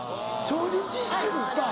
調理実習のスター。